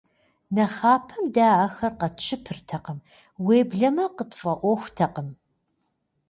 Нэхъапэм дэ ахэр къэтщыпыртэкъым, уеблэмэ къытфӏэӏуэхутэкъым.